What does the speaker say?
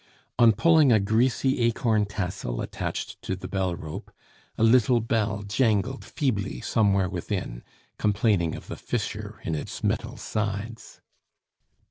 On pulling a greasy acorn tassel attached to the bell rope, a little bell jangled feebly somewhere within, complaining of the fissure in its metal sides.